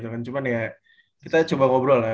di newsmana gitu kan cuman ya kita coba ngobrol lah